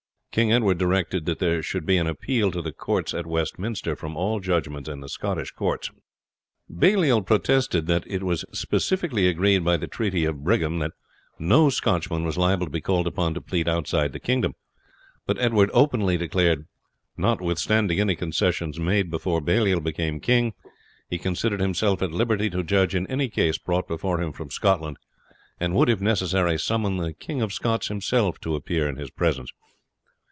King Edward directed that there should be an appeal to the courts at Westminster from all judgments in the Scottish courts. Baliol protested that it was specifically agreed by the Treaty of Brigham that no Scotchman was liable to be called upon to plead outside the kingdom; but Edward openly declared, "Notwithstanding any concessions made before Baliol became king, he considered himself at liberty to judge in any case brought before him from Scotland, and would, if necessary, summon the King of Scots himself to appear in his presence."